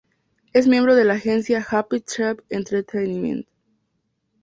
Es miembro de la agencia "Happy Tribe Entertainment".